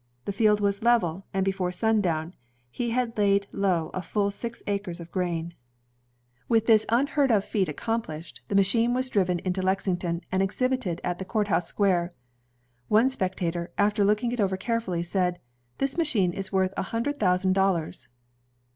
The field was level, and before sundown he had laid low a full six acres of grain. CYRUS H. Mccormick 151 ^th this unheard of feat accomplished, the machine was driven into Lexington and exhibited at the court house square. One spectator, after looking it over care fully, said, "This machine is worth a hundred thousand dollars."